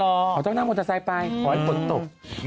เอาเจ้านั่งมอเตอร์ไซด์ไปหรือหลายบนตก